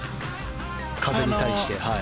風に対して。